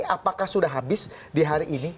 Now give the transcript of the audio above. apakah sudah habis di hari ini